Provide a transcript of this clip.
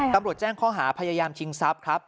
ตำรวจแจ้งข้อหาพยายามชิงทรัพย์ครับ